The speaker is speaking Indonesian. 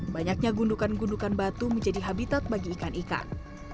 banyaknya gundukan gundukan batu menjadi habitat bagi ikan ikan